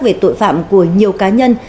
về tội phạm của nhiều cá nhân